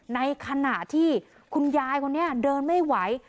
ในขณะที่คุณยายคนนี้เดินไม่ไหว